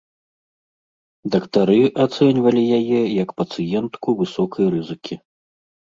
Дактары ацэньвалі яе як пацыентку высокай рызыкі.